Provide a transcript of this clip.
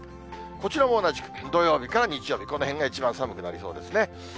こちらも同じく、土曜日から日曜日、このへんが一番寒くなりそうですね。